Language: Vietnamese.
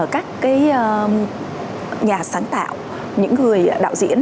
các cái nhà sáng tạo những người đạo diễn